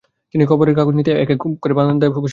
তিনি খবরের কাগজ হাতে নিয়ে এক-এক বারান্দায় বসে রইলেন।